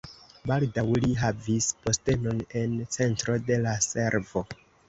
Baldaŭ li havis postenon en centro de la servo.